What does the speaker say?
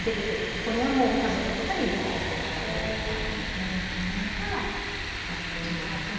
これは家族とかに理解してもらおうとか思えば、割と今は。